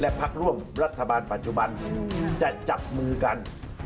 พักร่วมรัฐบาลปัจจุบันจะจับมือกัน